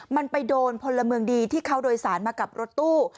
มันไปโดนพลเมืองดีที่เขาโดยสารมากับรถตู้